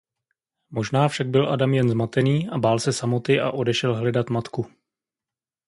Možná však byl Adam jen zmatený a bál se samoty a odešel hledat matku.